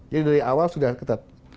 jadi dari awal sudah ketat